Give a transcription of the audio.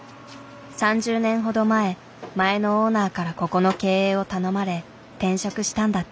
３０年ほど前前のオーナーからここの経営を頼まれ転職したんだって。